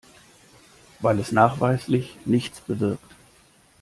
Weil es nachweislich nichts bewirkt.